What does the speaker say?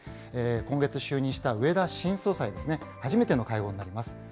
今月就任した植田新総裁ですね、初めての会合になります。